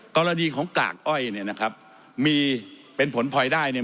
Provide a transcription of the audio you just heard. กรณีของกากอ้อยเนี่ยนะครับมีเป็นผลพลอยได้เนี่ย